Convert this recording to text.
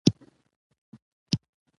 افغانستان د جلګه په برخه کې نړیوال شهرت لري.